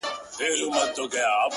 اور او اوبه یې د تیارې او د رڼا لوري!